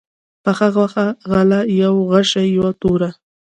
پخه غوښه، غله، يو غشى، يوه توره